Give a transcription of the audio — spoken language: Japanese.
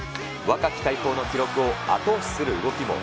若き大砲の記録を後押しする動きも。